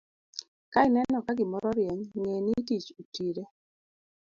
Ka ineno ka gimoro rieny, ng'e ni tich otire.